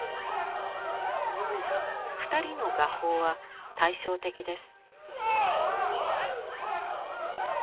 二人の画法は対照的です。